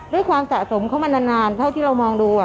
ด้วยความสะสมเขามานานเท่าที่เรามองดู